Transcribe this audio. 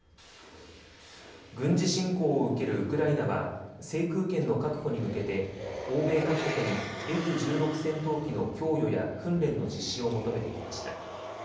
軍事侵攻を受けるウクライナは制空権の確保に向けて欧米各国にＦ１６戦闘機の供与や訓練の実施を求めてきました。